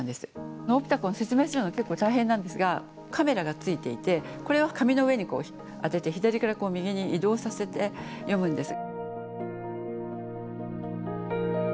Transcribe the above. このオプタコン説明するのは結構大変なんですがカメラがついていてこれを紙の上に当てて左から右に移動させて読むんです。